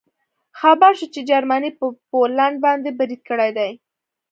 خبر شوو چې جرمني په پولنډ باندې برید کړی دی